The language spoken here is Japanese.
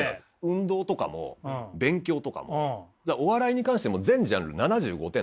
運動とかも勉強とかもお笑いに関しても全ジャンル７５点なんですよ僕。